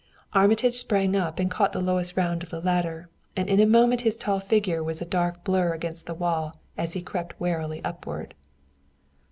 Armitage sprang up and caught the lowest round of the ladder, and in a moment his tall figure was a dark blur against the wall as he crept warily upward.